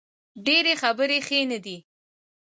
ډیرې خبرې ښې نه دي